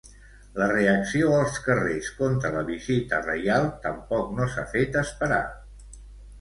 La reacció als carrers contra la visita reial tampoc no s'ha fet esperar.